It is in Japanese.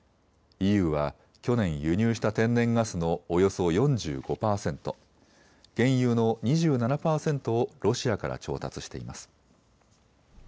ＥＵは去年、輸入した天然ガスのおよそ４５％、原油の２７％をロシアから調達しています。